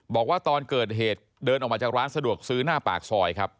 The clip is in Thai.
บอกว่าตอนเกิดเหตุเดินออกมาจากร้านสะดวกซื้อหน้าปากซอยครับ